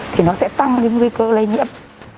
thì nó sẽ tăng những nguy cơ lây nhiễm